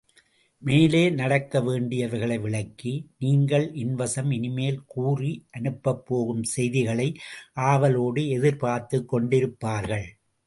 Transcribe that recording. மேலே நடக்க வேண்டியவைகளை விளக்கி, நீங்கள் என் வசம் இனிமேல் கூறி அனுப்பப்போகும் செய்திகளை ஆவலோடு எதிர்பார்த்துக் கொண்டிருப்பார்கள்.